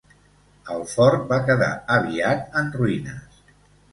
El fort va quedar aviat en ruïnes.